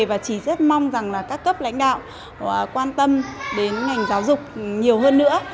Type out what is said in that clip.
và chỉ rất mong rằng là các cấp lãnh đạo quan tâm đến ngành giáo dục nhiều hơn nữa